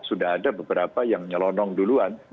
sudah ada beberapa yang nyelonong duluan